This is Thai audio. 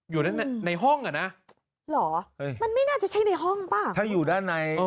อยู่ในห้องอ่ะนะเหรอมันไม่น่าจะใช่ในห้องป่ะถ้าอยู่ด้านใน